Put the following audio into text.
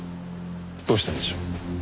どうしたんでしょう？